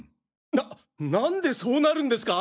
な何でそうなるんですか！？